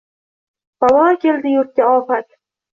Balo keldi yurtga, ofat